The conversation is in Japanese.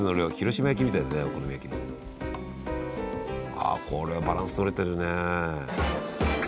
ああこれバランス取れてるね。